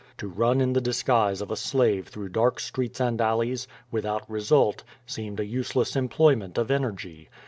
To run in the disguise of a slave through dark streets and alleys, without result, seemed a useless employment of energy.